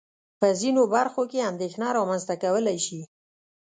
په ځينو برخو کې اندېښنه رامنځته کولای شي.